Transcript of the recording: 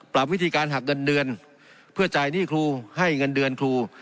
วิธีการหักเงินเดือนเพื่อจ่ายหนี้ครูให้เงินเดือนครู